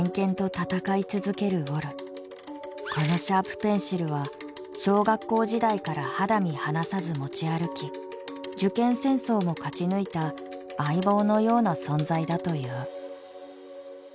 このシャープペンシルは小学校時代から肌身離さず持ち歩き受験戦争も勝ち抜いた相棒のような存在だという。